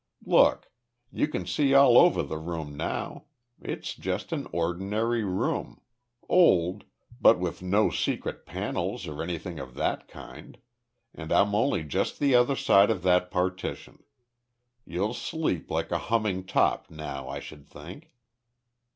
Look you can see all over the room now. It's just an ordinary room old, but with no secret panels or anything of that kind, and I'm only just the other side of that partition. You'll sleep like a humming top now, I should think."